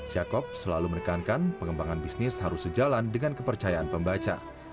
jakob selalu menekankan pengembangan bisnis harus sejalan dengan kepercayaan pembaca